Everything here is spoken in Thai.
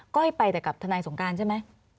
้อยไปแต่กับทนายสงการใช่ไหม